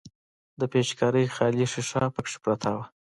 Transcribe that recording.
د پيچکارۍ خالي ښيښه پکښې پرته وه.